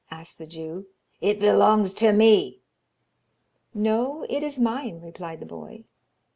asked the Jew. 'It belongs to me.' 'No, it is mine,' replied the boy.